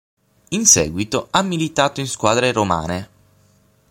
In seguito ha militato in squadre romane.